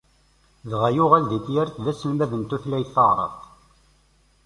Dɣa, yuɣal di Tyaret d aselmad n tutlayt taɛrabt.